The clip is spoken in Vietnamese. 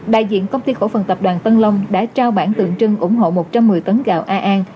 đại diện công ty cổ phần tập đoàn tân long đã trao bản tượng trưng ủng hộ một trăm một mươi tấn gạo a an